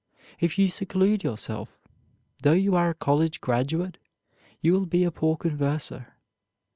If you seclude yourself, though you are a college graduate, you will be a poor converser.